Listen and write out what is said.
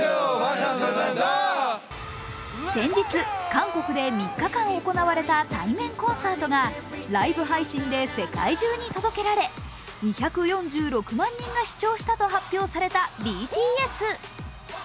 先日、韓国で３日間行われた対面コンサートがライブ配信で世界中に届けられ２４６万人が視聴したと発表されたＢＴＳ。